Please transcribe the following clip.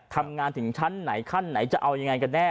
ทำงานถึงชั้นไหนขั้นไหนจะเอายังไงกันแน่